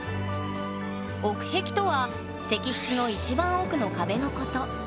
奥壁とは石室の一番奥の壁のこと。